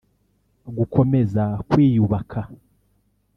gukomeza kwiyubaka